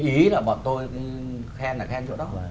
cái ý là bọn tôi khen là khen chỗ đó